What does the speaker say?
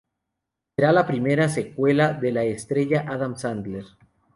Será la primera secuela de la estrella Adam Sandler.